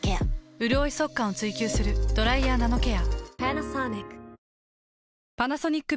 うるおい速乾を追求する「ドライヤーナノケア」。